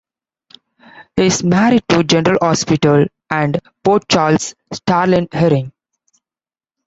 He is married to "General Hospital" and "Port Charles" star Lynn Herring.